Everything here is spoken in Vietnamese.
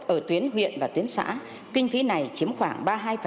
ở tuyến huyện và tuyến xã kinh phí này chiếm khoảng ba mươi hai